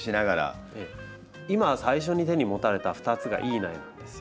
今最初に手に持たれた２つが良い苗なんですよ。